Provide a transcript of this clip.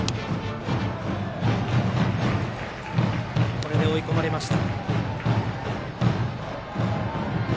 これで追い込まれました。